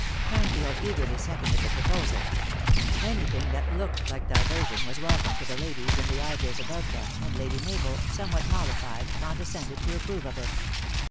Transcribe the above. Cranfield eagerly seconded the proposal. Anything that looked like diversion was welcome to the ladies and the idlers about them, and Lady Mabel, somewhat mollified, condescended to approve of it.